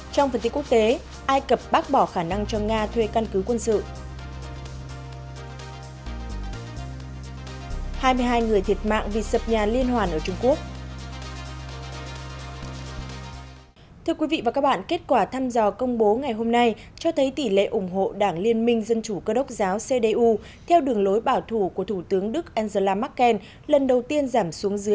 trong phần tiết quốc tế ai cập bác bỏ khả năng truyền thông tin về các doanh nghiệp việt nam